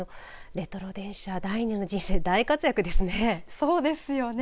レトロ電車、第２の人生大活躍ですね。